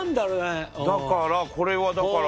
だからこれはだから。